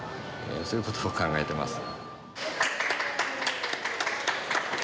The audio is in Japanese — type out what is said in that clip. そういうことを考えてます。